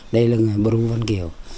đây là người bru vân kiều